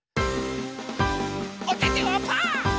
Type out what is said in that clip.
おててはパー。